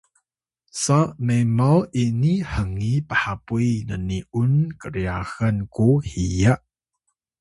sa memaw ini hngi phapuy nni’un kryaxan ku hiya